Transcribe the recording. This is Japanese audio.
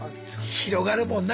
広がるもんな。